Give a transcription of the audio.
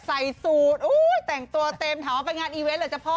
ใส่สูตรแต่งตัวเต็มถามว่าไปงานอีเวนต์เหรอจ๊ะพ่อ